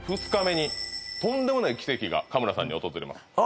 ２日目にとんでもない奇跡が加村さんに訪れます